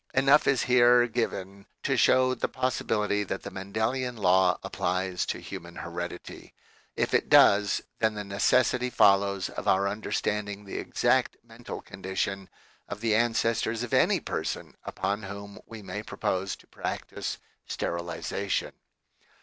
Enough is here given to show the possibility that the Mendelian law applies to human heredity. If it does, then the neces sity follows of our understanding the exact mental con dition of the ancestors of any person upon whom we may propose to practice sterilization.